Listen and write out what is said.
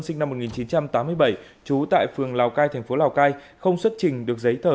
sinh năm một nghìn chín trăm tám mươi bảy trú tại phường lào cai thành phố lào cai không xuất trình được giấy tờ